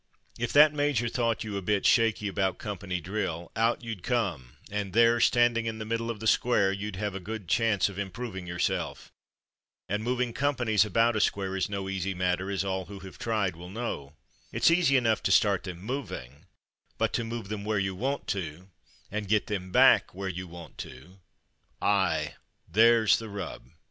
It that major thought you a bit shaky about company drill, out you'd come; and there, standing in the middle of the square, you'd have a good chance of improving yourself. And moving companies about a square is no easy matter, as all who have tried will know. It's easy enough to start them moving, but to move them where you want to, and get them back where you want to, ''aye, there's the rub."